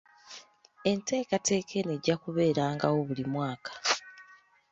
Enteekateeka eno ejja kubeerangawo buli mwaka.